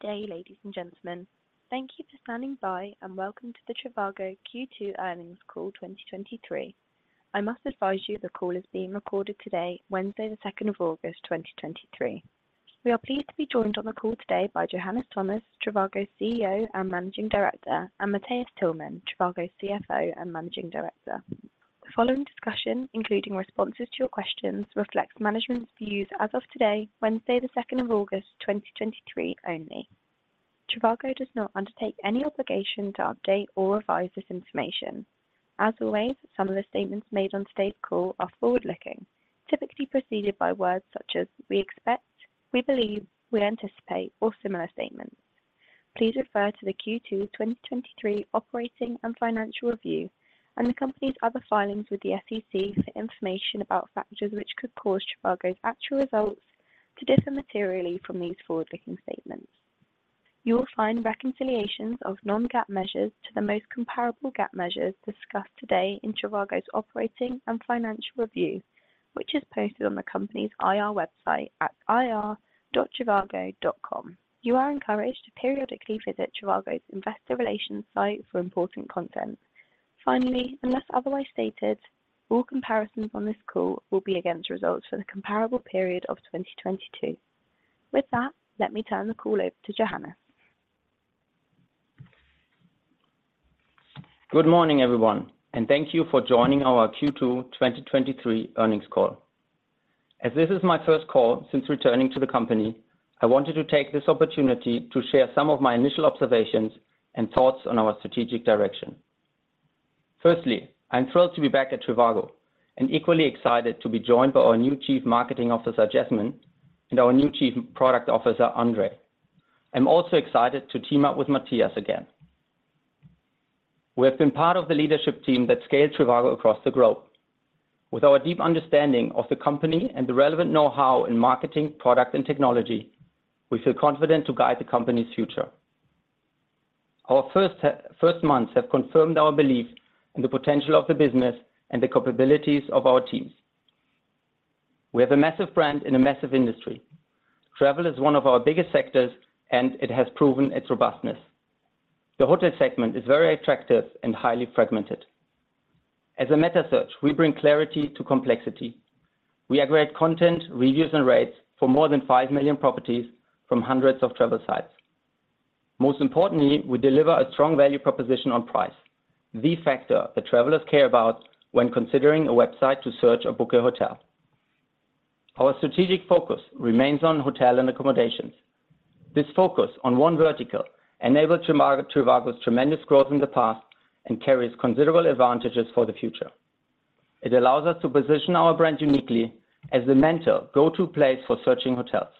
Good day, ladies and gentlemen. Thank you for standing by, and welcome to the trivago Q2 Earnings Call 2023. I must advise you, the call is being recorded today, Wednesday, the 2nd of August, 2023. We are pleased to be joined on the call today by Johannes Thomas, trivago's CEO and Managing Director, and Matthias Tillmann, trivago's CFO and Managing Director. The following discussion, including responses to your questions, reflects management's views as of today, Wednesday, the 2nd of August, 2023 only. trivago does not undertake any obligation to update or revise this information. As always, some of the statements made on today's call are forward-looking, typically preceded by words such as we expect, we believe, we anticipate, or similar statements. Please refer to the Q2 2023 Operating and Financial Review, and the company's other filings with the SEC for information about factors which could cause trivago's actual results to differ materially from these forward-looking statements. You will find reconciliations of non-GAAP measures to the most comparable GAAP measures discussed today in trivago's Operating and Financial Review, which is posted on the company's IR website at ir.trivago.com. You are encouraged to periodically visit trivago's investor relations site for important content. Finally, unless otherwise stated, all comparisons on this call will be against results for the comparable period of 2022. With that, let me turn the call over to Johannes. Good morning, everyone, and thank you for joining our Q2 2023 earnings call. As this is my first call since returning to the company, I wanted to take this opportunity to share some of my initial observations and thoughts on our strategic direction. Firstly, I'm thrilled to be back at trivago and equally excited to be joined by our new Chief Marketing Officer, Jasmin, and our new Chief Product Officer, Andre. I'm also excited to team up with Matthias again. We have been part of the leadership team that scaled trivago across the globe. With our deep understanding of the company and the relevant know-how in marketing, product, and technology, we feel confident to guide the company's future. Our first months have confirmed our belief in the potential of the business and the capabilities of our teams. We have a massive brand in a massive industry. Travel is one of our biggest sectors, and it has proven its robustness. The hotel segment is very attractive and highly fragmented. As a meta search, we bring clarity to complexity. We aggregate content, reviews, and rates for more than five million properties from hundreds of travel sites. Most importantly, we deliver a strong value proposition on price, the factor that travelers care about when considering a website to search or book a hotel. Our strategic focus remains on hotel and accommodations. This focus on one vertical enabled trivago, trivago's tremendous growth in the past and carries considerable advantages for the future. It allows us to position our brand uniquely as the mentor go-to place for searching hotels.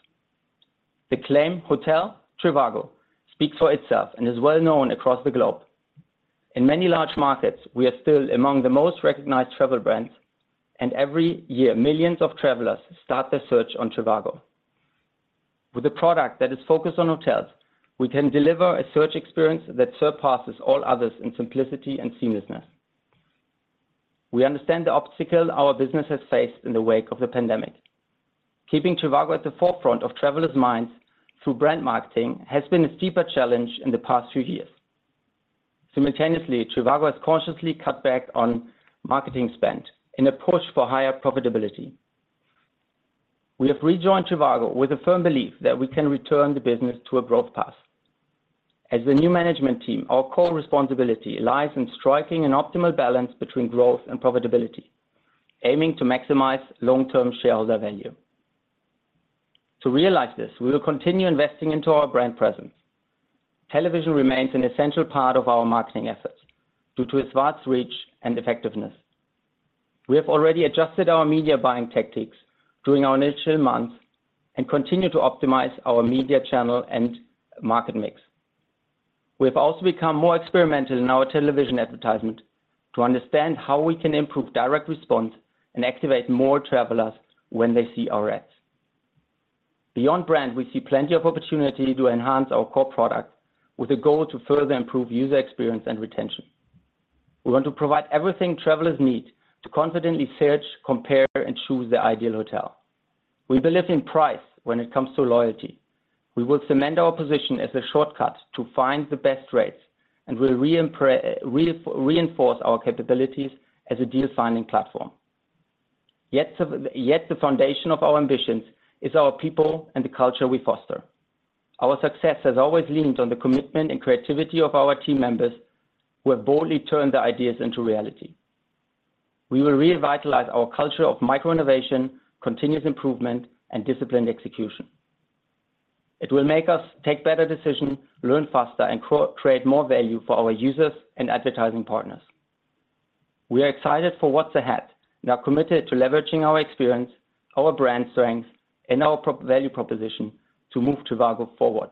The claim, "Hotel? trivago!" speaks for itself and is well known across the globe. In many large markets, we are still among the most recognized travel brands, and every year, millions of travelers start their search on trivago. With a product that is focused on hotels, we can deliver a search experience that surpasses all others in simplicity and seamlessness. We understand the obstacle our business has faced in the wake of the pandemic. Keeping trivago at the forefront of travelers' minds through brand marketing has been a steeper challenge in the past few years. Simultaneously, trivago has consciously cut back on marketing spend in a push for higher profitability. We have rejoined trivago with a firm belief that we can return the business to a growth path. As the new management team, our core responsibility lies in striking an optimal balance between growth and profitability, aiming to maximize long-term shareholder value. To realize this, we will continue investing into our brand presence. Television remains an essential part of our marketing efforts due to its vast reach and effectiveness. We have already adjusted our media buying tactics during our initial months and continue to optimize our media channel and market mix. We have also become more experimental in our television advertisement to understand how we can improve direct response and activate more travelers when they see our ads. Beyond brand, we see plenty of opportunity to enhance our core product with a goal to further improve user experience and retention. We want to provide everything travelers need to confidently search, compare, and choose their ideal hotel. We believe in price when it comes to loyalty. We will cement our position as a shortcut to find the best rates and will reinforce our capabilities as a deal-finding platform. Yet yet the foundation of our ambitions is our people and the culture we foster. Our success has always leaned on the commitment and creativity of our team members, who have boldly turned their ideas into reality. We will revitalize our culture of micro innovation, continuous improvement, and disciplined execution. It will make us take better decisions, learn faster, and create more value for our users and advertising partners. We are excited for what's ahead and are committed to leveraging our experience, our brand strength, and our value proposition to move trivago forward.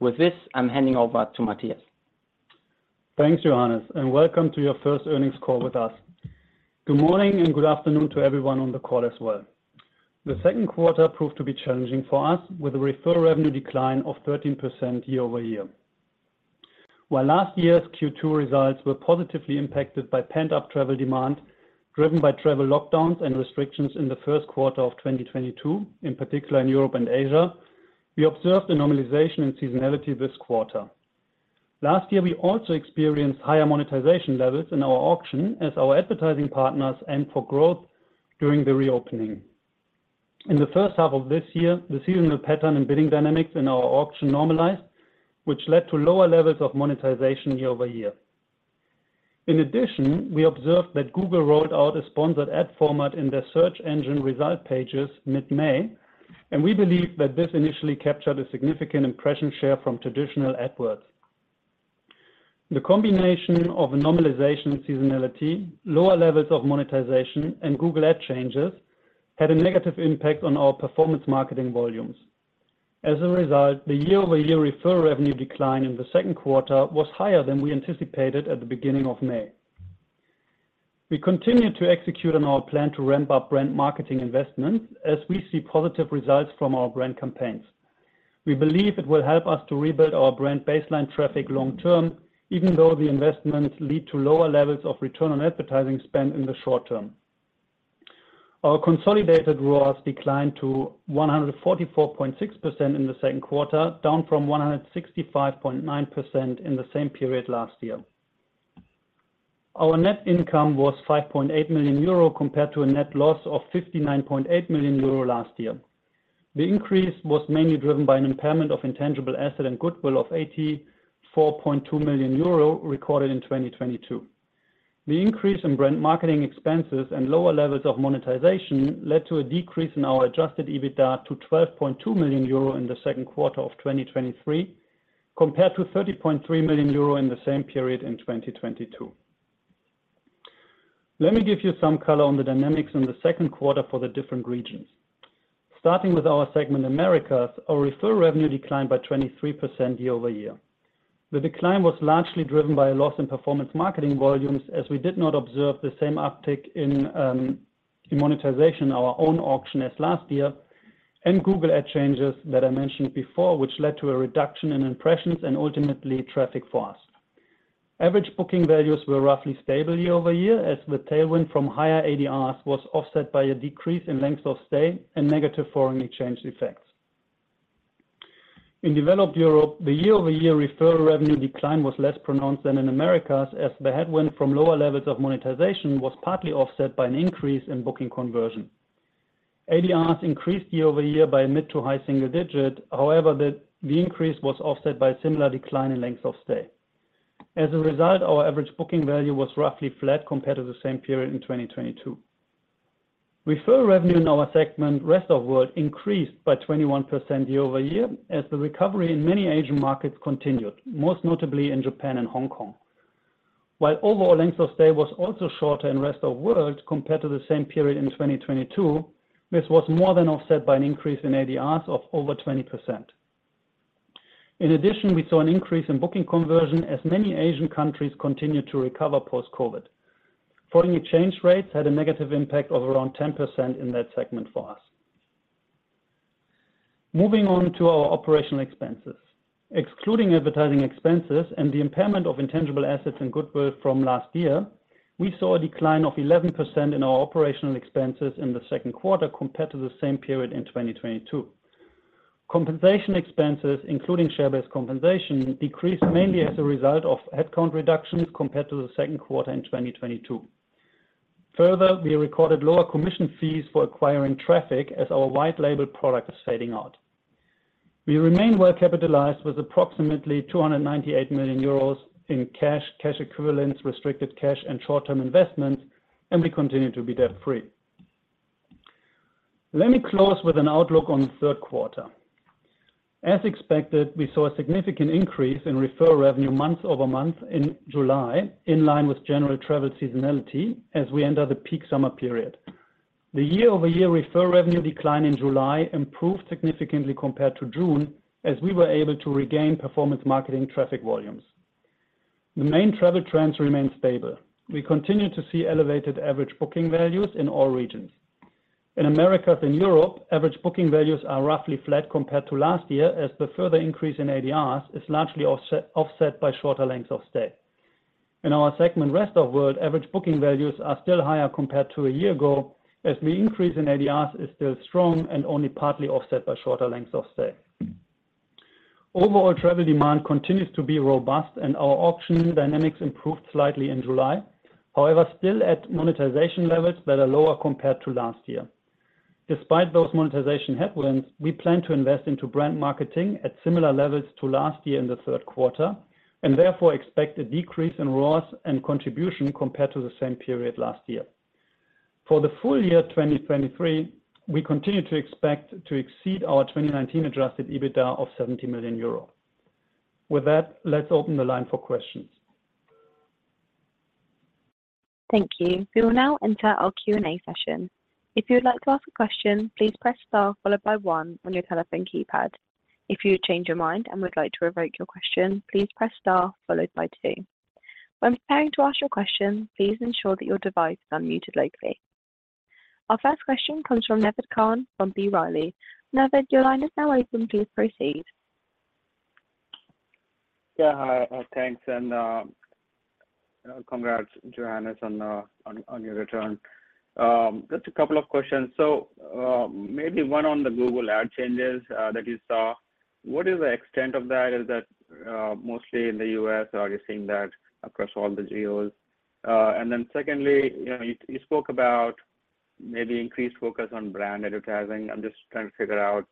With this, I'm handing over to Matthias. Thanks, Johannes, and welcome to your first earnings call with us. Good morning and good afternoon to everyone on the call as well. The second quarter proved to be challenging for us, with a referral revenue decline of 13% year-over-year. While last year's Q2 results were positively impacted by pent-up travel demand driven by travel lockdowns and restrictions in the first quarter of 2022, in particular in Europe and Asia, we observed a normalization in seasonality this quarter. Last year, we also experienced higher monetization levels in our auction as our advertising partners aimed for growth during the reopening. In the first half of this year, the seasonal pattern and bidding dynamics in our auction normalized, which led to lower levels of monetization year-over-year. In addition, we observed that Google rolled out a sponsored ad format in their search engine result pages mid-May, and we believe that this initially captured a significant impression share from traditional AdWords. The combination of normalization and seasonality, lower levels of monetization, and Google Ad changes had a negative impact on our performance marketing volumes. As a result, the year-over-year referral revenue decline in the second quarter was higher than we anticipated at the beginning of May. We continued to execute on our plan to ramp up brand marketing investments as we see positive results from our brand campaigns. We believe it will help us to rebuild our brand baseline traffic long term, even though the investments lead to lower levels of return on advertising spend in the short term. Our consolidated ROAS declined to 144.6% in the second quarter, down from 165.9% in the same period last year. Our net income was 5.8 million euro, compared to a net loss of 59.8 million euro last year. The increase was mainly driven by an impairment of intangible asset and goodwill of 84.2 million euro recorded in 2022. The increase in brand marketing expenses and lower levels of monetization led to a decrease in our adjusted EBITDA to 12.2 million euro in the second quarter of 2023, compared to 30.3 million euro in the same period in 2022. Let me give you some color on the dynamics in the second quarter for the different regions. Starting with our segment, Americas, our referral revenue declined by 23% year-over-year. The decline was largely driven by a loss in performance marketing volumes, as we did not observe the same uptick in monetization our own auction as last year, and Google Ads changes that I mentioned before, which led to a reduction in impressions and ultimately, traffic for us. Average booking values were roughly stable year-over-year, as the tailwind from higher ADRs was offset by a decrease in length of stay and negative foreign exchange effects. In Developed Europe, the year-over-year referral revenue decline was less pronounced than in Americas, as the headwind from lower levels of monetization was partly offset by an increase in booking conversion. ADRs increased year-over-year by mid to high single digit. The increase was offset by a similar decline in length of stay. As a result, our average booking value was roughly flat compared to the same period in 2022. Referral revenue in our segment, Rest of World, increased by 21% year-over-year, as the recovery in many Asian markets continued, most notably in Japan and Hong Kong. While overall length of stay was also shorter in Rest of World compared to the same period in 2022, this was more than offset by an increase in ADRs of over 20%. In addition, we saw an increase in booking conversion as many Asian countries continued to recover post-COVID. Foreign exchange rates had a negative impact of around 10% in that segment for us. Moving on to our operational expenses. Excluding advertising expenses and the impairment of intangible assets and goodwill from last year, we saw a decline of 11% in our operational expenses in the second quarter compared to the same period in 2022. Compensation expenses, including share-based compensation, decreased mainly as a result of headcount reductions compared to the second quarter in 2022. Further, we recorded lower commission fees for acquiring traffic as our white label product is fading out. We remain well-capitalized with approximately 298 million euros in cash, cash equivalents, restricted cash, and short-term investments, and we continue to be debt-free. Let me close with an outlook on the third quarter. As expected, we saw a significant increase in referral revenue month-over-month in July, in line with general travel seasonality as we enter the peak summer period. The year-over-year referral revenue decline in July improved significantly compared to June, as we were able to regain performance marketing traffic volumes. The main travel trends remain stable. We continue to see elevated average booking values in all regions. In Americas and Europe, average booking values are roughly flat compared to last year, as the further increase in ADRs is largely offset, offset by shorter lengths of stay. In our segment, Rest of World, average booking values are still higher compared to a year ago, as the increase in ADRs is still strong and only partly offset by shorter lengths of stay. Overall, travel demand continues to be robust, and our auction dynamics improved slightly in July. However, still at monetization levels that are lower compared to last year. Despite those monetization headwinds, we plan to invest into brand marketing at similar levels to last year in the third quarter, and therefore expect a decrease in ROAS and contribution compared to the same period last year. For the full year 2023, we continue to expect to exceed our 2019 adjusted EBITDA of 70 million euro. With that, let's open the line for questions. Thank you. We will now enter our Q&A session. If you would like to ask a question, please press star followed by 1 on your telephone keypad. If you change your mind and would like to revoke your question, please press star followed by two. When preparing to ask your question, please ensure that your device is unmuted locally.... Our first question comes from Naved Khan from B. Riley. Naved, your line is now open. Please proceed. Yeah. Hi, thanks, and, congrats, Johannes, on your return. Just a couple of questions. Maybe one on the Google Ad changes that you saw. What is the extent of that? Is that mostly in the U.S., or are you seeing that across all the geos? And then secondly, you know, you spoke about maybe increased focus on brand advertising. I'm just trying to figure out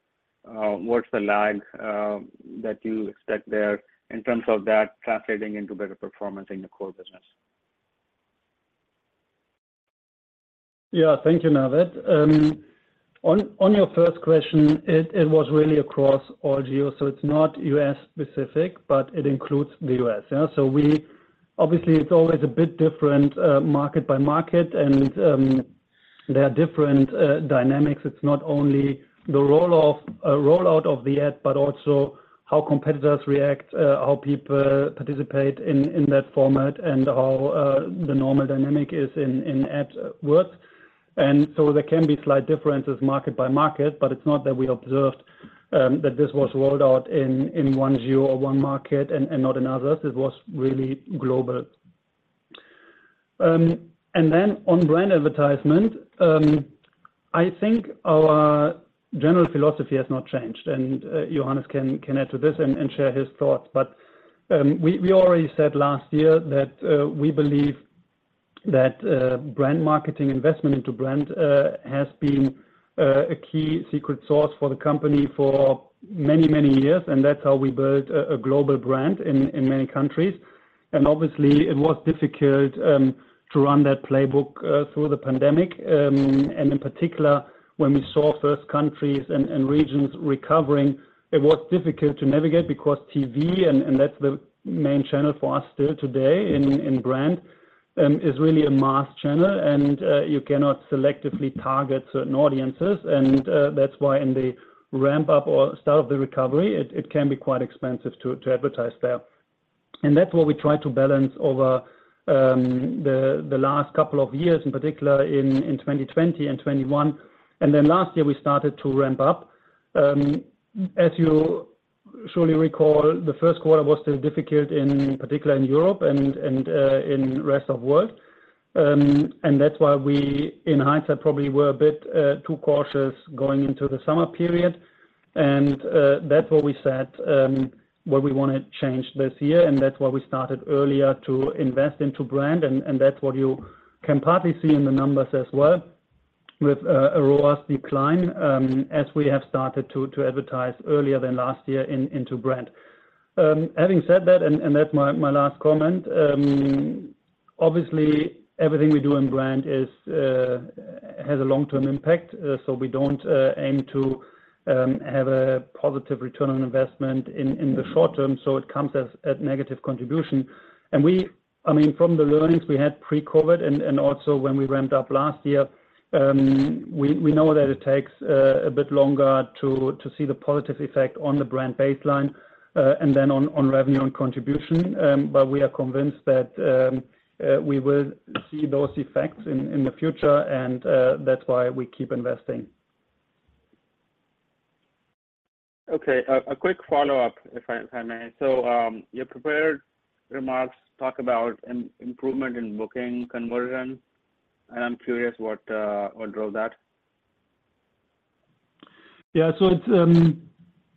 what's the lag that you expect there in terms of that translating into better performance in the core business? Yeah. Thank you, Naved. On, on your first question, it, it was really across all geos, so it's not U.S.-specific, but it includes the U.S. Yeah, obviously, it's always a bit different, market by market, and, there are different, dynamics. It's not only the role of, rollout of the ad, but also how competitors react, how people participate in, in that format and how, the normal dynamic is in, in ads works. There can be slight differences market by market, but it's not that we observed, that this was rolled out in, in one geo or one market and, and not in others. It was really global. On brand advertisement, I think our general philosophy has not changed, and, Johannes can, can add to this and, and share his thoughts. We already said last year that we believe that brand marketing investment into brand has been a key secret sauce for the company for many, many years, and that's how we built a global brand in many countries. Obviously, it was difficult to run that playbook through the pandemic. In particular, when we saw first countries and regions recovering, it was difficult to navigate because TV, and that's the main channel for us still today in brand, is really a mass channel, and you cannot selectively target certain audiences. That's why in the ramp up or start of the recovery, it can be quite expensive to advertise there. That's what we tried to balance over the last couple of years, in particular in 2020 and 2021, and then last year, we started to ramp up. As you surely recall, the first quarter was still difficult, in particular in Europe and in the Rest of World. That's why we, in hindsight, probably were a bit too cautious going into the summer period. That's what we said, what we want to change this year, and that's why we started earlier to invest into brand, and that's what you can partly see in the numbers as well with a robust decline, as we have started to advertise earlier than last year into brand. Having said that, and, and that's my, my last comment, obviously, everything we do in brand is has a long-term impact, so we don't aim to have a positive return on investment in, in the short term, so it comes as a negative contribution. I mean, from the learnings we had pre-COVID and, and also when we ramped up last year, we, we know that it takes a bit longer to, to see the positive effect on the brand baseline, and then on, on revenue and contribution. We are convinced that we will see those effects in, in the future, and that's why we keep investing. Okay, a, a quick follow-up, if I, if I may. Your prepared remarks talk about an improvement in booking conversion, and I'm curious what, what drove that? Yeah, it's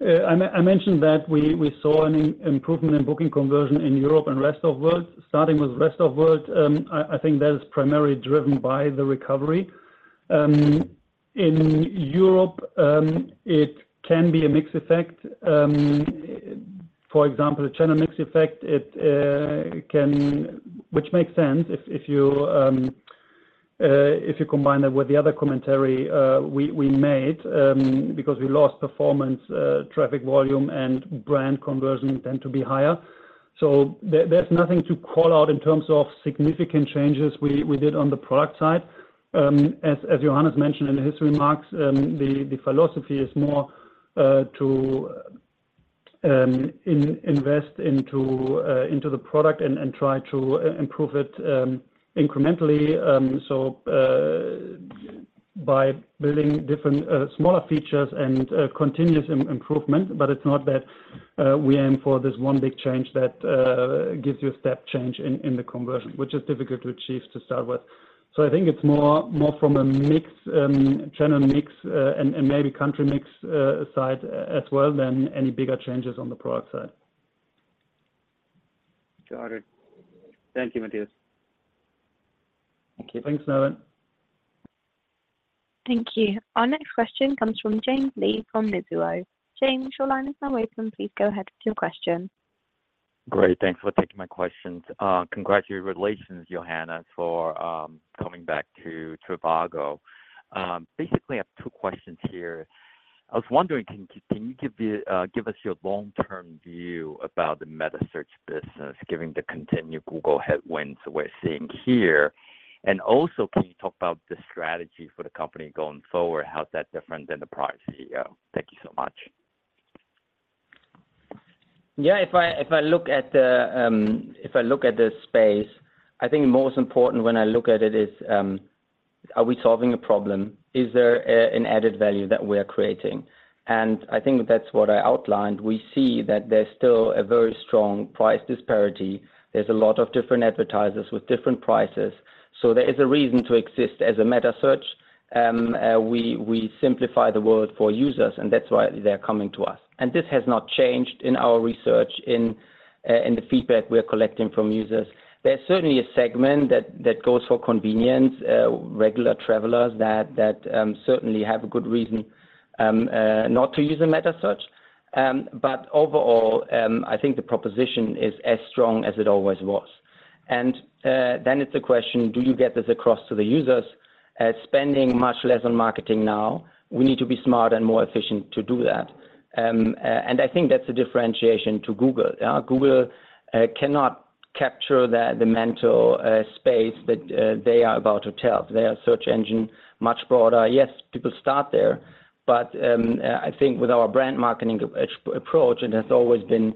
I mentioned that we, we saw an improvement in booking conversion in Europe and Rest of World. Starting with Rest of World, I, I think that is primarily driven by the recovery. In Europe, it can be a mixed effect. For example, a channel mix effect, it can. Which makes sense if, if you combine it with the other commentary we, we made, because we lost performance, traffic volume and brand conversion tend to be higher. There, there's nothing to call out in terms of significant changes we, we did on the product side. as Johannes mentioned in his remarks, the philosophy is more to invest into the product and try to improve it incrementally, so by building different smaller features and continuous improvement. It's not that we aim for this one big change that gives you a step change in the conversion, which is difficult to achieve to start with. I think it's more from a mix, channel mix, and maybe country mix side as well, than any bigger changes on the product side. Got it. Thank you, Matthias. Thank you. Thanks, Naved. Thank you. Our next question comes from James Lee from Mizuho. James, your line is now open. Please go ahead with your question. Great, thanks for taking my questions. Congratulations, Johannes, for coming back to trivago. Basically, I have two questions here. I was wondering, can, can you give me, give us your long-term view about the meta search business, given the continued Google headwinds we're seeing here? Also, can you talk about the strategy for the company going forward? How's that different than the prior CEO? Thank you so much. Yeah, if I, if I look at the, if I look at the space, I think most important when I look at it is, are we solving a problem? Is there an added value that we are creating? I think that's what I outlined. We see that there's still a very strong price disparity. There's a lot of different advertisers with different prices, so there is a reason to exist as a meta search. We, we simplify the world for users, and that's why they're coming to us. This has not changed in our research, in the feedback we are collecting from users. There's certainly a segment that goes for convenience, regular travelers that certainly have a good reason, not to use a meta search. Overall, I think the proposition is as strong as it always was. It's a question: Do you get this across to the users? As spending much less on marketing now, we need to be smart and more efficient to do that. I think that's a differentiation to Google. Google cannot capture the, the mental space that they are about to tell. They are search engine, much broader. Yes, people start there, I think with our brand marketing approach, it has always been,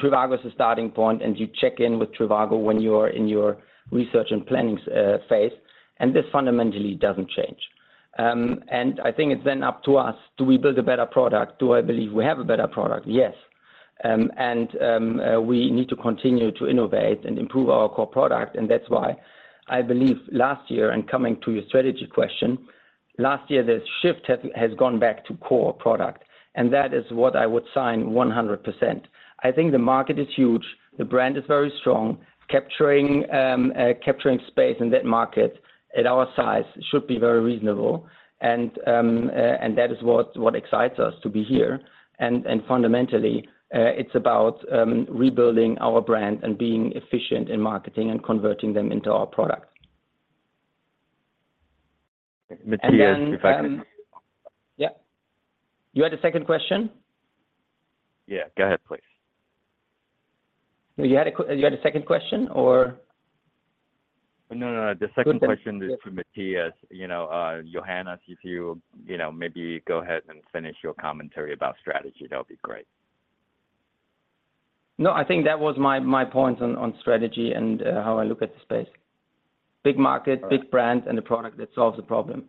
trivago is a starting point, and you check in with trivago when you are in your research and planning phase, and this fundamentally doesn't change. I think it's up to us. Do we build a better product? Do I believe we have a better product? Yes. We need to continue to innovate and improve our core product, that's why I believe last year, and coming to your strategy question, last year, the shift has, has gone back to core product, and that is what I would sign 100%. I think the market is huge. The brand is very strong. Capturing space in that market at our size should be very reasonable, and that is what excites us to be here. Fundamentally, it's about rebuilding our brand and being efficient in marketing and converting them into our product. Matthias, if I can- Yeah. You had a second question? Yeah, go ahead, please. You had a second question, or? No, no, no. Good. The second question is for Matthias. You know, Johannes, if you, you know, maybe go ahead and finish your commentary about strategy, that'll be great. No, I think that was my, my point on, on strategy and, how I look at the space. Big market- All right. Big brand, and a product that solves the problem.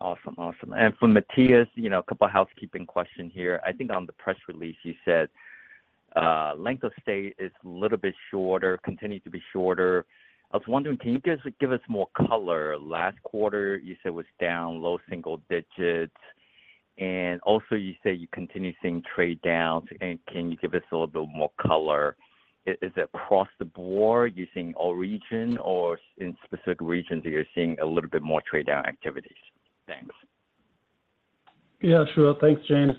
Awesome, awesome. For Matthias, you know, a couple of housekeeping question here. I think on the press release, you said, length of stay is a little bit shorter, continues to be shorter. I was wondering, can you guys give us more color? Last quarter, you said it was down low single digits. Also you say you continue seeing trade downs. Can you give us a little bit more color? Is it across the board, you think, all region, or in specific regions that you're seeing a little bit more trade down activities? Thanks. Yeah, sure. Thanks, James.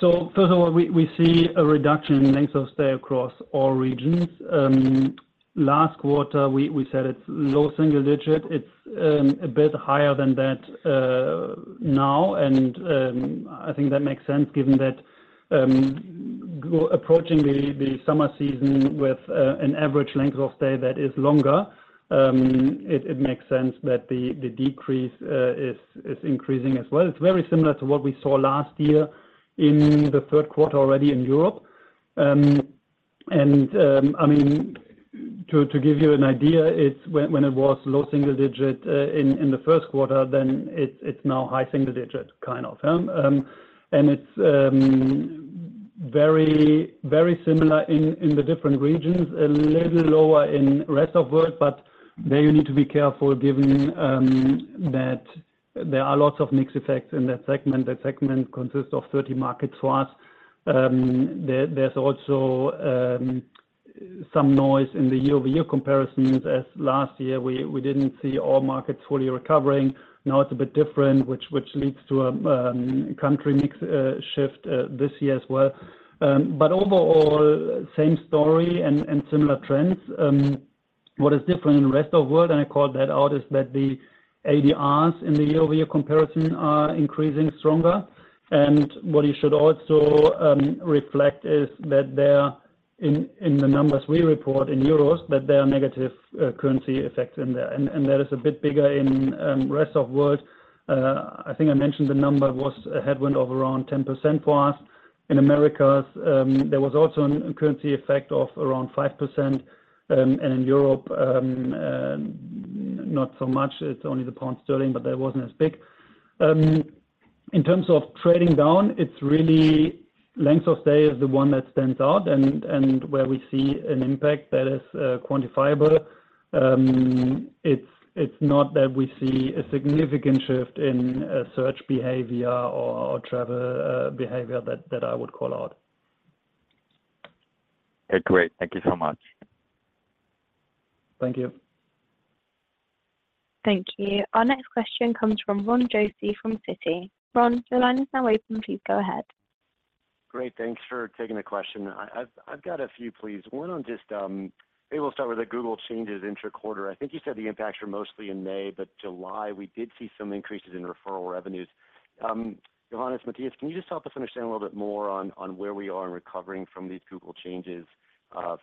First of all, we, we see a reduction in length of stay across all regions. Last quarter, we, we said it's low single digit. It's a bit higher than that now, and I think that makes sense, given that approaching the summer season with an average length of stay that is longer, it makes sense that the decrease is increasing as well. It's very similar to what we saw last year in the third quarter already in Europe. I mean, to give you an idea, it's when, when it was low single digit in the first quarter, then it's now high single digit, kind of. It's very, very similar in the different regions, a little lower in Rest of World, but there you need to be careful given that there are lots of mixed effects in that segment. That segment consists of 30 markets for us. There, there's also some noise in the year-over-year comparisons, as last year, we, we didn't see all markets fully recovering. Now it's a bit different, which, which leads to a country mix shift this year as well. Overall, same story and similar trends. What is different in the Rest of World, and I called that out, is that the ADRs in the year-over-year comparison are increasing stronger. What you should also reflect is that they are in, in the numbers we report in euros, that there are negative currency effects in there. That is a bit bigger in Rest of World. I think I mentioned the number was a headwind of around 10% for us. In Americas, there was also a currency effect of around 5%, and in Europe, not so much, it's only the pound sterling, but that wasn't as big. In terms of trading down, it's really length of stay is the one that stands out and, and where we see an impact that is quantifiable. It's, it's not that we see a significant shift in search behavior or, or travel behavior that, that I would call out. Okay, great. Thank you so much. Thank you. Thank you. Our next question comes from Ronald Josey from Citi. Ron, the line is now open. Please go ahead. Great. Thanks for taking the question. I- I've, I've got a few, please. One on just, maybe we'll start with the Google changes inter quarter. I think you said the impacts were mostly in May, but July, we did see some increases in referral revenues. Johannes, Matthias, can you just help us understand a little bit more on where we are in recovering from these Google changes?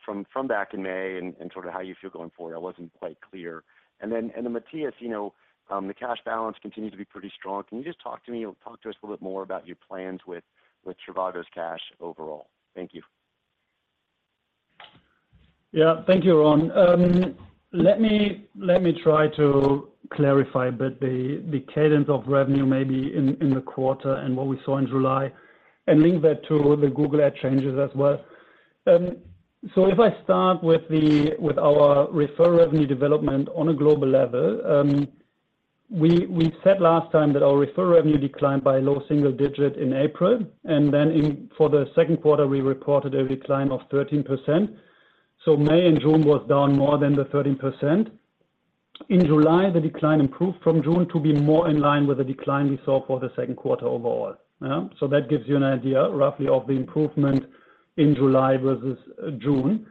From, from back in May and, and sort of how you feel going forward? I wasn't quite clear. Then, and then Matthias, you know, the cash balance continues to be pretty strong. Can you just talk to me or talk to us a little bit more about your plans with, with trivago's cash overall? Thank you. Yeah, thank you, Ron. Let me, let me try to clarify, but the cadence of revenue maybe in the quarter and what we saw in July. Link that to the Google Ads changes as well. If I start with our referral revenue development on a global level, we said last time that our referral revenue declined by low single-digit in April. Then for the second quarter, we reported a decline of 13%. May and June was down more than the 13%. In July, the decline improved from June to be more in line with the decline we saw for the second quarter overall. That gives you an idea, roughly, of the improvement in July versus June.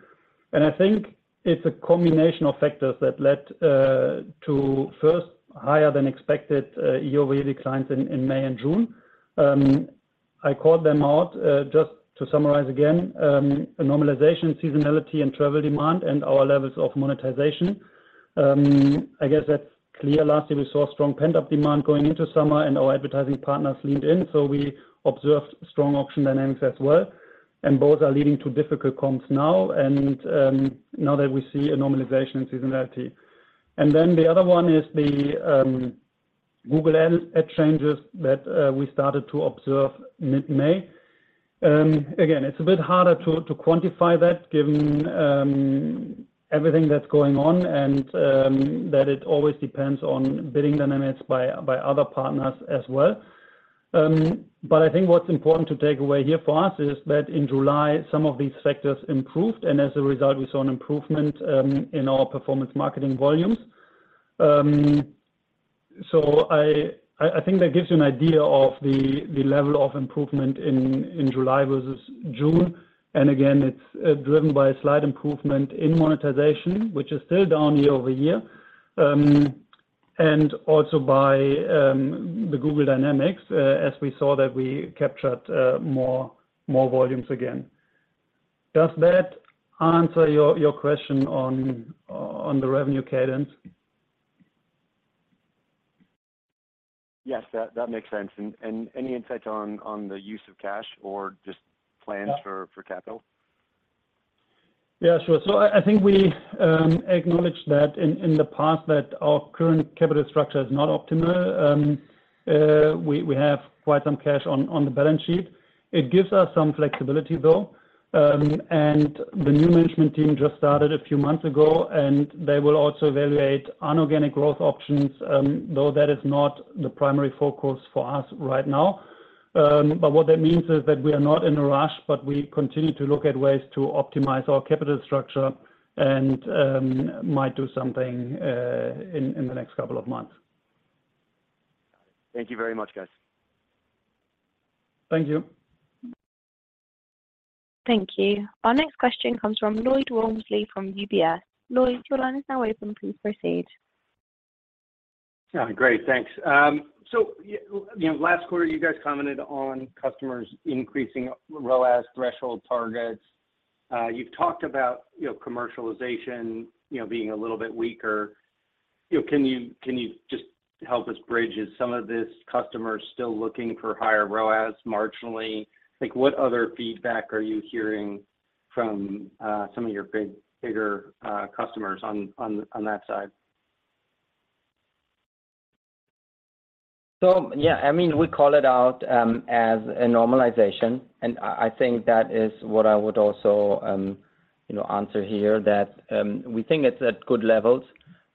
I think it's a combination of factors that led to, first, higher than expected, year-over-year declines in May and June. I called them out, just to summarize again, a normalization, seasonality, and travel demand, and our levels of monetization. I guess that's clear. Lastly, we saw strong pent-up demand going into summer, and our advertising partners leaned in, so we observed strong auction dynamics as well, and both are leading to difficult comps now, and now that we see a normalization in seasonality. The other one is the Google Ad, Ad changes that we started to observe mid-May. Again, it's a bit harder to quantify that given everything that's going on, and that it always depends on bidding dynamics by other partners as well. I think what's important to take away here for us is that in July, some of these factors improved, and as a result, we saw an improvement in our performance marketing volumes. I, I think that gives you an idea of the level of improvement in July versus June. Again, it's driven by a slight improvement in monetization, which is still down year-over-year, and also by the Google dynamics, as we saw that we captured more, more volumes again. Does that answer your question on the revenue cadence? Yes, that, that makes sense. And any insight on, on the use of cash or just plans for, for capital? Yeah, sure. I, I think we acknowledged that in the past, that our current capital structure is not optimal. We, we have quite some cash on the balance sheet. It gives us some flexibility, though. The new management team just started a few months ago, and they will also evaluate inorganic growth options, though that is not the primary focus for us right now. What that means is that we are not in a rush, but we continue to look at ways to optimize our capital structure and might do something in the next couple of months. Thank you very much, guys. Thank you. Thank you. Our next question comes from Lloyd Walmsley from UBS. Lloyd, your line is now open. Please proceed. Yeah, great. Thanks. So you know, last quarter, you guys commented on customers increasing ROAS threshold targets. You've talked about, you know, commercialization, you know, being a little bit weaker. You know, can you, can you just help us bridge, is some of this customers still looking for higher ROAS marginally? Like, what other feedback are you hearing from, some of your big, bigger, customers on, on, on that side? Yeah, I mean, we call it out, as a normalization, and I, I think that is what I would also, you know, answer here, that we think it's at good levels,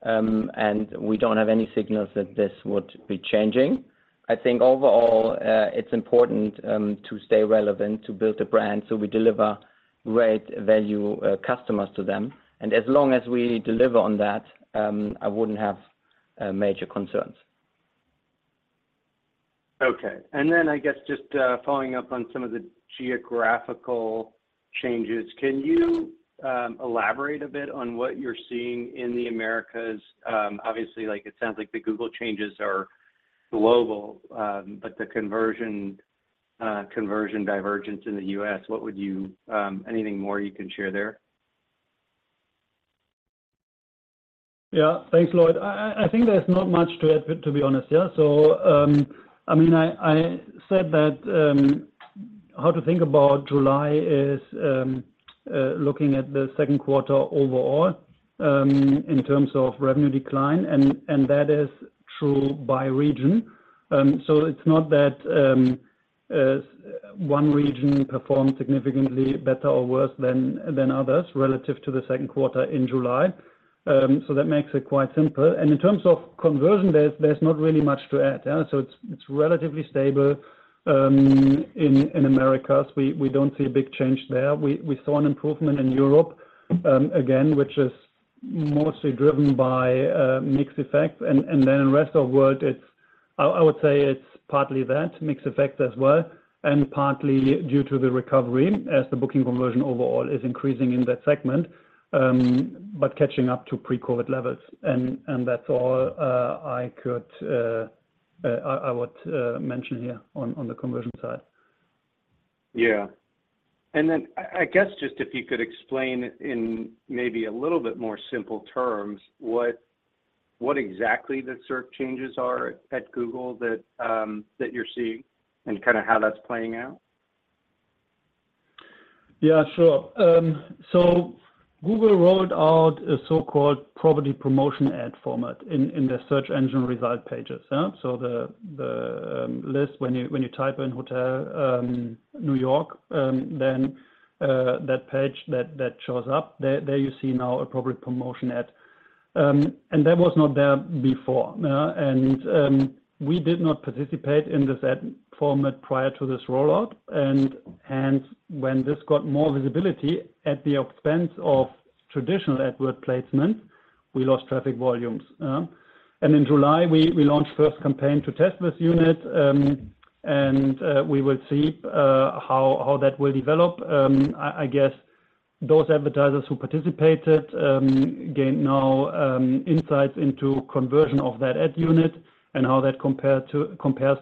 and we don't have any signals that this would be changing. I think overall, it's important to stay relevant, to build a brand, so we deliver great value, customers to them. As long as we deliver on that, I wouldn't have major concerns. Okay. I guess just, following up on some of the geographical changes, can you, elaborate a bit on what you're seeing in the Americas? Obviously, like, it sounds like the Google changes are global, but the conversion, conversion divergence in the US, what would you-- anything more you can share there? Yeah. Thanks, Lloyd. I think there's not much to add, to be honest, yeah? I mean, I, I said that how to think about July is looking at the second quarter overall in terms of revenue decline, and that is true by region. It's not that one region performed significantly better or worse than others relative to the second quarter in July. That makes it quite simple. In terms of conversion, there's not really much to add. It's relatively stable in Americas. We don't see a big change there. We saw an improvement in Europe again, which is mostly driven by mixed effects. In the Rest of World, I would say it's partly that, mixed effect as well, and partly due to the recovery as the booking conversion overall is increasing in that segment, but catching up to pre-COVID levels. That's all I could would mention here on, on the conversion side. Yeah. Then I, I guess just if you could explain in maybe a little bit more simple terms, what, what exactly the search changes are at Google that you're seeing and kind of how that's playing out? Yeah, sure. Google rolled out a so-called Property Promotion Ads format in, in their search engine result pages, yeah? The, the, list when you, when you type in Hotel, New York, then, that page that, that shows up, there, there you see now a Property Promotion Ads. That was not there before, we did not participate in this ad format prior to this rollout. When this got more visibility at the expense of traditional advert placement, we lost traffic volumes. In July, we, we launched first campaign to test this unit, we will see, how, how that will develop. I, I guess those advertisers who participated, gain now, insights into conversion of that ad unit and how that compares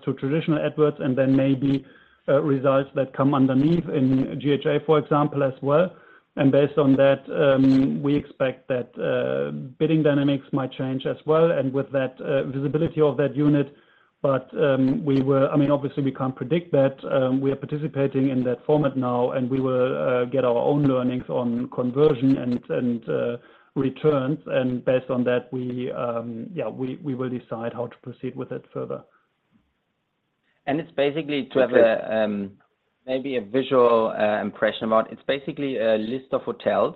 to traditional adverts, and then maybe, results that come underneath in GHA, for example, as well. Based on that, we expect that bidding dynamics might change as well, and with that, visibility of that unit. We were, I mean, obviously, we can't predict that, we are participating in that format now, and we will get our own learnings on conversion and, and, returns. Based on that, we, yeah, we, we will decide how to proceed with it further. It's basically to have. Okay... maybe a visual impression about. It's basically a list of hotels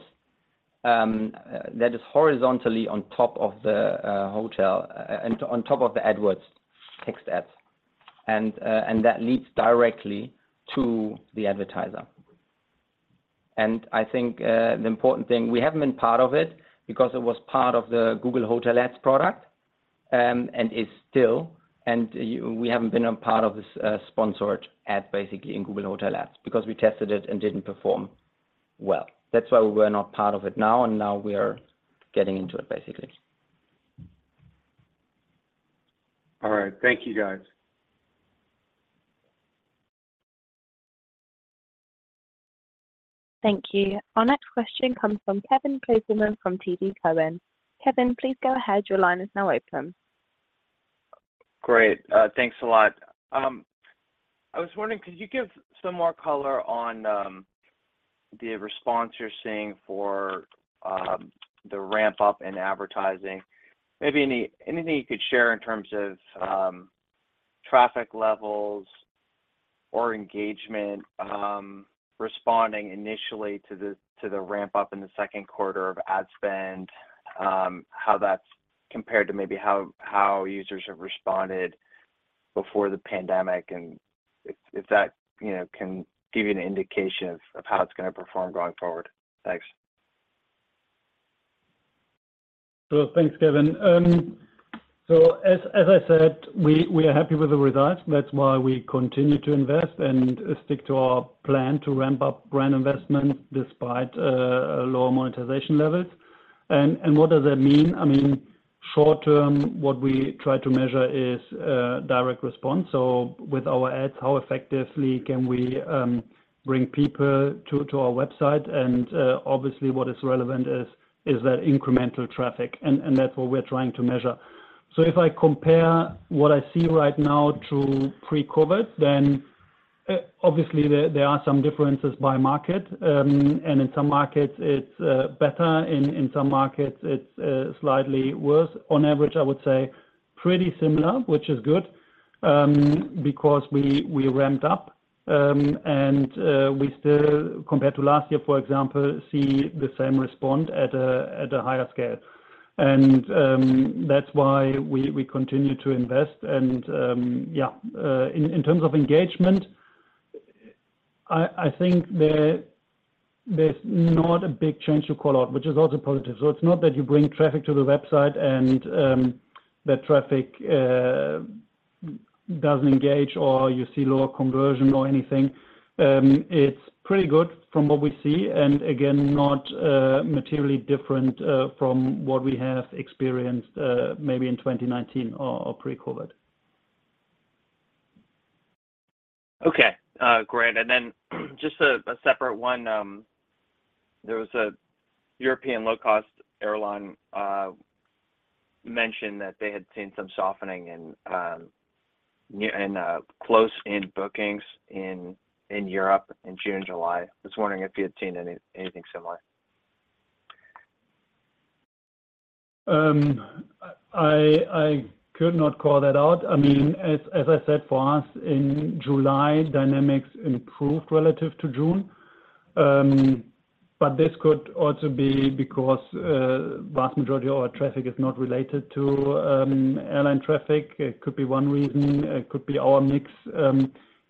that is horizontally on top of the hotel and on top of the AdWords text ads. That leads directly to the advertiser. I think the important thing, we haven't been part of it because it was part of the Google Hotel Ads product, and is still, and we haven't been a part of this sponsored ad, basically in Google Hotel Ads because we tested it and didn't perform well. That's why we were not part of it now, and now we are getting into it, basically. All right. Thank you, guys. Thank you. Our next question comes from Kevin Kopelman from TD Cowen. Kevin, please go ahead. Your line is now open. Great. Thanks a lot. I was wondering, could you give some more color on the response you're seeing for the ramp-up in advertising? Maybe anything you could share in terms of traffic levels or engagement, responding initially to the, to the ramp-up in the second quarter of ad spend, how that's compared to maybe how, how users have responded before the pandemic, and if, if that, you know, can give you an indication of, of how it's gonna perform going forward? Thanks. Well, thanks, Kevin. As, as I said, we, we are happy with the results. That's why we continue to invest and stick to our plan to ramp up brand investment despite low monetization levels. What does that mean? I mean, short term, what we try to measure is direct response. With our ads, how effectively can we bring people to our website? Obviously, what is relevant is, is that incremental traffic, and that's what we're trying to measure. If I compare what I see right now to pre-COVID, then, obviously, there, there are some differences by market. In some markets, it's better, in some markets, it's slightly worse. On average, I would say pretty similar, which is good, because we, we ramped up, and we still, compared to last year, for example, see the same response at a, at a higher scale. That's why we, we continue to invest. Yeah, in, in terms of engagement, I, I think there, there's not a big change to call out, which is also positive. It's not that you bring traffic to the website and that traffic doesn't engage or you see lower conversion or anything. It's pretty good from what we see, and again, not materially different from what we have experienced, maybe in 2019 or, or pre-COVID. Okay, great. Then, just a separate one. There was a European low-cost airline, mentioned that they had seen some softening in close-in bookings in Europe in June and July. Just wondering if you had seen anything similar? I, I could not call that out. I mean, as, as I said, for us, in July, dynamics improved relative to June. This could also be because vast majority of our traffic is not related to airline traffic. It could be one reason, it could be our mix.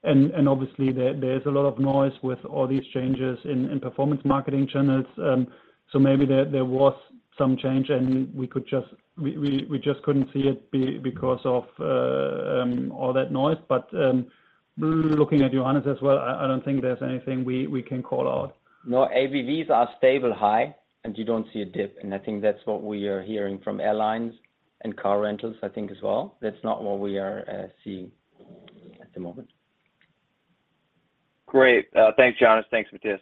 And obviously, there, there is a lot of noise with all these changes in, in performance marketing channels. Maybe there, there was some change, and we, we, we just couldn't see it because of all that noise. Looking at Johannes as well, I, I don't think there's anything we, we can call out. No, ABVs are stable high, and you don't see a dip, and I think that's what we are hearing from airlines and car rentals, I think as well. That's not what we are seeing at the moment. Great. Thanks, Johannes. Thanks, Matthias.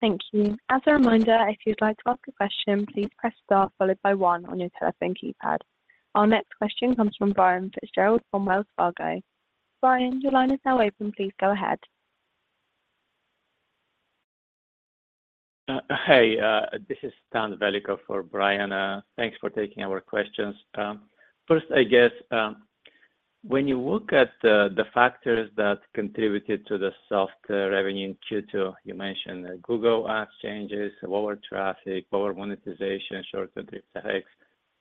Thank you. As a reminder, if you'd like to ask a question, please press star followed by one on your telephone keypad. Our next question comes from Brian Fitzgerald from Wells Fargo. Brian, your line is now open. Please go ahead. Hey, this is Stan Velikov for Brian. Thanks for taking our questions. First, I guess, when you look at the factors that contributed to the soft revenue in Q2, you mentioned Google Ads changes, lower traffic, lower monetization, shorter trip size.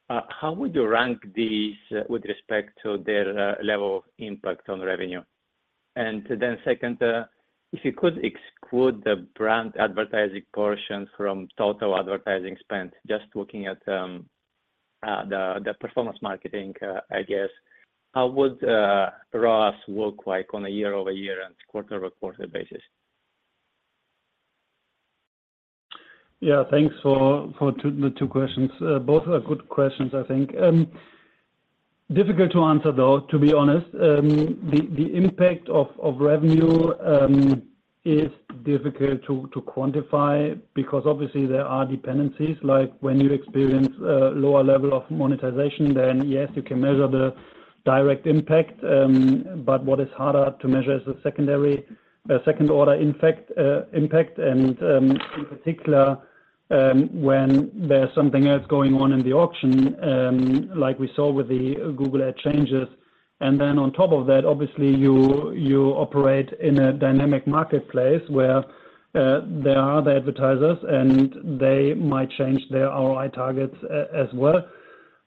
How would you rank these with respect to their level of impact on revenue? Second, if you could exclude the brand advertising portion from total advertising spend, just looking at the performance marketing, I guess, how would ROAS look like on a year-over-year and quarter-over-quarter basis? Yeah, thanks for, for two, the two questions. Both are good questions, I think. Difficult to answer, though, to be honest. The, the impact of, of revenue, is difficult to, to quantify because obviously there are dependencies, like when you experience a lower level of monetization, then yes, you can measure the direct impact. But what is harder to measure is the secondary, second-order infect, impact, and, in particular, when there's something else going on in the auction, like we saw with the Google Ads changes. Then on top of that, obviously, you, you operate in a dynamic marketplace where, there are the advertisers, and they might change their ROI targets a-as well.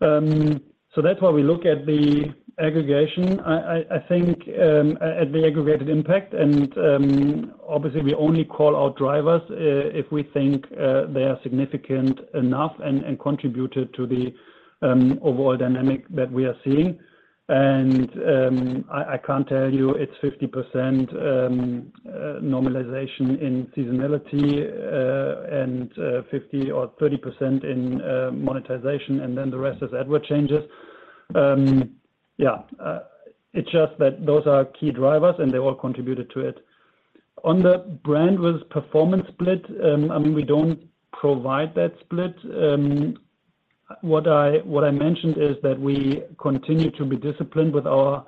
So that's why we look at the aggregation. I, I, I think, at the aggregated impact, and, obviously, we only call out drivers if we think they are significant enough and contributed to the overall dynamic that we are seeing. I, I can't tell you, it's 50% normalization in seasonality, and 50% or 30% in monetization, and then the rest is advert changes. It's just that those are key drivers, and they all contributed to it. On the brand versus performance split, I mean, we don't provide that split. What I, what I mentioned is that we continue to be disciplined with our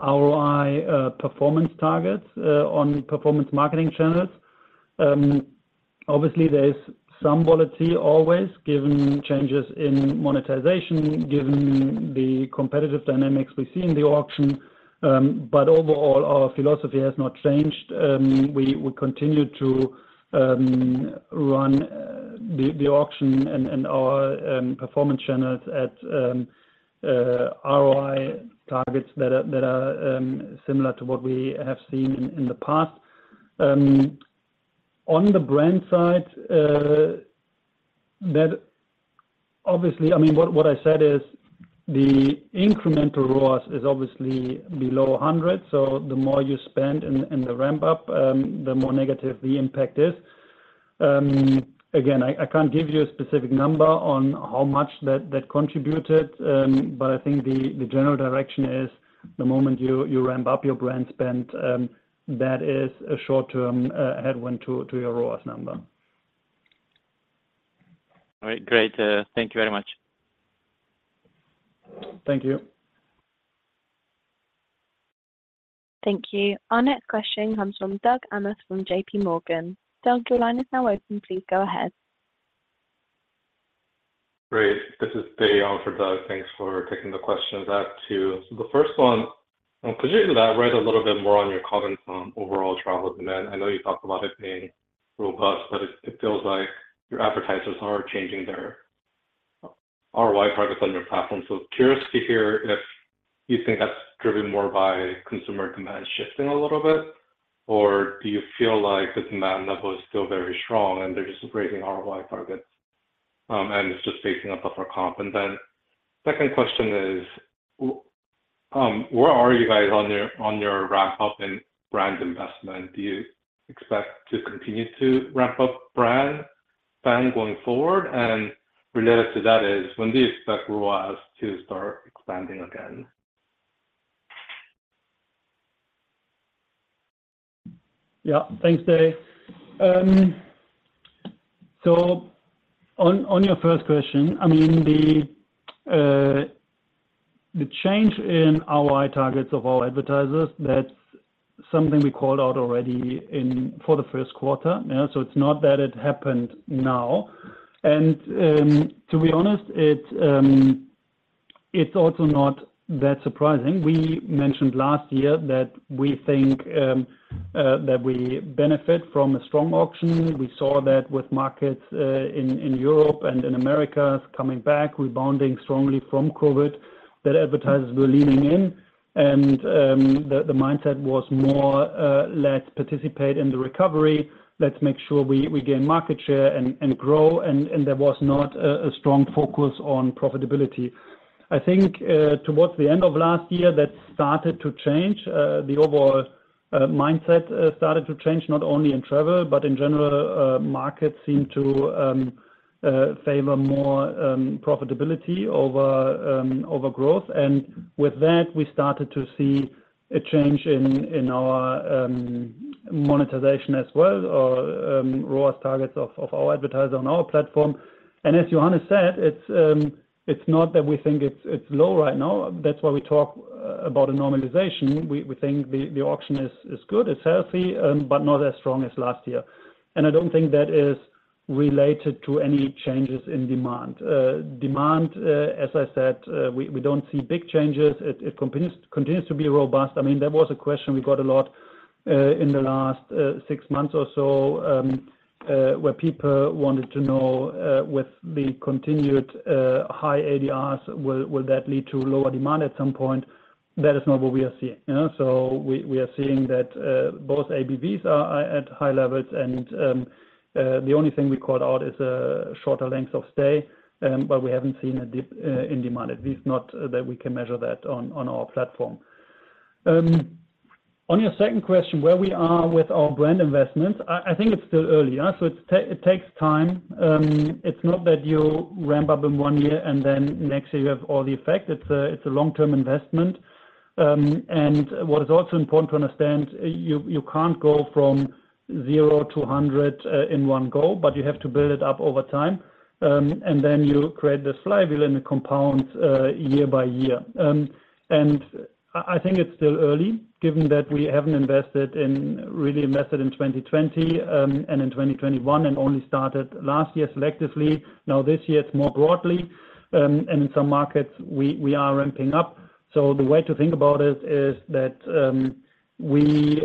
ROI performance targets on performance marketing channels. Obviously, there is some volatility always, given changes in monetization, given the competitive dynamics we see in the auction. Overall, our philosophy has not changed. We, we continue to run the auction and, and our performance channels at ROI targets that are, that are similar to what we have seen in, in the past. On the brand side, that obviously, I mean, what, what I said is the incremental ROAS is obviously below 100, so the more you spend in, in the ramp up, the more negative the impact is. Again, I, I can't give you a specific number on how much that, that contributed, but I think the, the general direction is the moment you, you ramp up your brand spend, that is a short-term headwind to, to your ROAS number. All right, great. Thank you very much. Thank you. Thank you. Our next question comes from Doug Anmuth from JP Morgan. Doug, your line is now open. Please go ahead. Great. This is Dae on for Doug. Thanks for taking the questions. Back to the first one, could you elaborate a little bit more on your comments on overall travel demand? I know you talked about it being robust, but it, it feels like your advertisers are changing their ROI targets on your platform. Curious to hear if you think that's driven more by consumer demand shifting a little bit, or do you feel like the demand level is still very strong, and they're just raising ROI targets, and it's just facing a tougher comp? Then second question is, where are you guys on your, on your ramp-up in brand investment? Do you expect to continue to ramp up brand spend going forward? Related to that is, when do you expect ROAS to start expanding again? Yeah. Thanks, Dae. On, on your first question, I mean, the, the change in ROI targets of our advertisers, that's something we called out already for the first quarter. It's not that it happened now. To be honest, it, it's also not that surprising. We mentioned last year that we think, that we benefit from a strong auction. We saw that with markets, in, in Europe and in Americas coming back, rebounding strongly from COVID, that advertisers were leaning in. The, the mindset was more, let's participate in the recovery. Let's make sure we, we gain market share and, and grow, and, and there was not a, a strong focus on profitability. I think, towards the end of last year, that started to change. The overall mindset started to change not only in travel, but in general, markets seemed to favor more profitability over growth. With that, we started to see a change in our monetization as well, or ROAS targets of our advertisers on our platform. As Johannes said, it's not that we think it's low right now. That's why we talk about a normalization. We think the auction is good, it's healthy, but not as strong as last year. I don't think that is related to any changes in demand. Demand, as I said, we don't see big changes. It continues, continues to be robust. I mean, that was a question we got a lot, in the last six months or so, where people wanted to know, with the continued high ADRs, will that lead to lower demand at some point? That is not what we are seeing. You know, so we are seeing that both ABBs are at high levels, and the only thing we called out is a shorter length of stay, but we haven't seen a dip in demand, at least not that we can measure that on our platform. On your second question, where we are with our brand investments, I think it's still early, so it take, it takes time. It's not that you ramp up in one year and then next year you have all the effect. It's a, it's a long-term investment. What is also important to understand, you, you can't go from 0 to 100 in one go, but you have to build it up over time. Then you create the flywheel, and it compounds year by year. I, I think it's still early, given that we haven't really invested in 2020, and in 2021, and only started last year selectively. Now, this year it's more broadly, in some markets we, we are ramping up. The way to think about it is that, we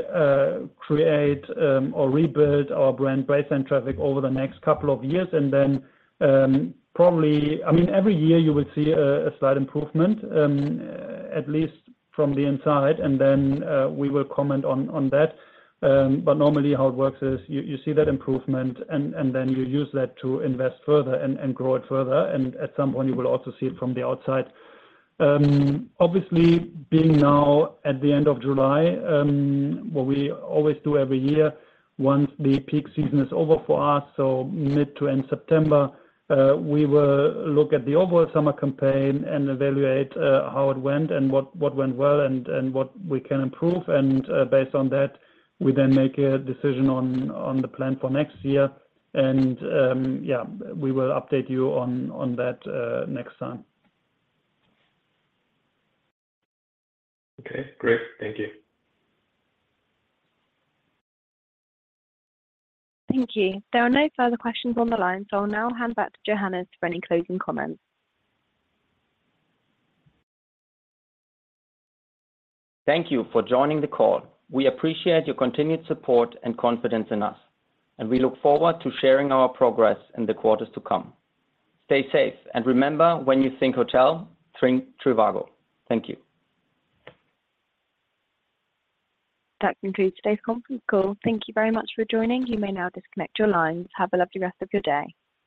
create, or rebuild our brand base and traffic over the next couple of years, then, probably... I mean, every year you will see a slight improvement, at least from the inside, and then we will comment on that. Normally how it works is you see that improvement, and then you use that to invest further and grow it further. At some point you will also see it from the outside. Obviously, being now at the end of July, what we always do every year once the peak season is over for us, so mid to end September, we will look at the overall summer campaign and evaluate how it went and what went well and what we can improve. Based on that, we then make a decision on the plan for next year. Yeah, we will update you on that next time. Okay, great. Thank you. Thank you. There are no further questions on the line, so I'll now hand back to Johannes for any closing comments. Thank you for joining the call. We appreciate your continued support and confidence in us, and we look forward to sharing our progress in the quarters to come. Stay safe, and remember, when you think hotel, think trivago. Thank you. That concludes today's conference call. Thank you very much for joining. You may now disconnect your lines. Have a lovely rest of your day.